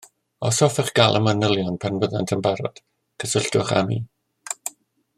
Os hoffech gael y manylion pan fyddant yn barod, cysylltwch â mi